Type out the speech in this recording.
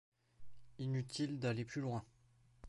Inutile d’aller plus loin !…